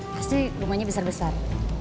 pasti rumahnya besar besar